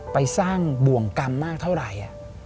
ไปสร้างบ่วงกรรมมากเท่าไหร่